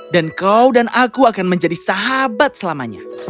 dan kau dan aku akan menjadi sahabat selamanya